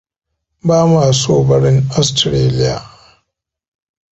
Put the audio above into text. Bama so barin Austaralia.